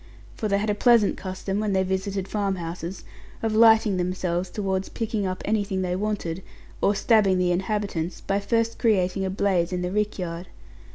For they had a pleasant custom, when they visited farm houses, of lighting themselves towards picking up anything they wanted, or stabbing the inhabitants, by first creating a blaze in the rick yard.